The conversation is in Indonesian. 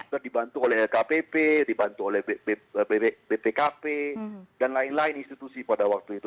juga dibantu oleh lkpp dibantu oleh bpkp dan lain lain institusi pada waktu itu